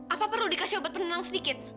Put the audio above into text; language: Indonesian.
apa perlu dikasih obat penenang sedikit